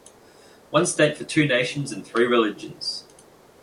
One state for two nations and three religions.